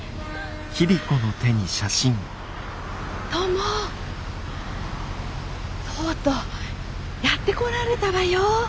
トモとうとうやって来られたわよ。